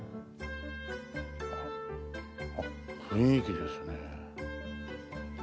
雰囲気ですね。